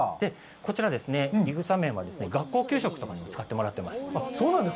こちらは、いぐさ麺は学校給食とかに使ってもらっています。